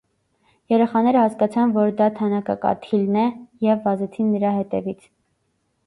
Երեխաները հասկացան, որ դա թանաքակաթիլն է և վազեցին նրա հետևից։